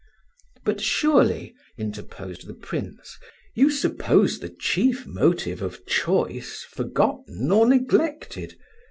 "But surely," interposed the Prince, "you suppose the chief motive of choice forgotten or neglected.